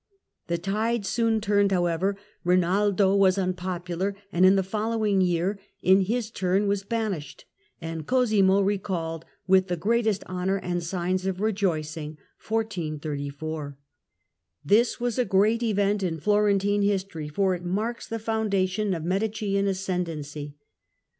The tide soon turned, however, Einaldo was unpopular, and in the following year he in his turn was banished, Cosimo de' and Cosimo recalled with the greatest honour and signs eaiied\o^ of rcjoicing. This was a great event in Florentine Florence, j^igtory, for it marks the foundation of Medicean as cendency.